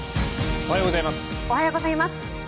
おはようございます。